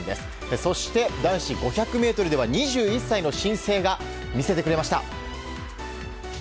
そして、男子５００ｍでは２１歳の新星が見せてくれました。